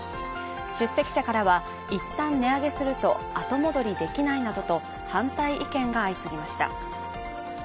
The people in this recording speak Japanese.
出席者からはいったん値上げすると後戻りできないなどと反対意見が相次ぎました。